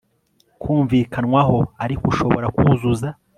kumvikanwaho Ariko ushobora kuzuza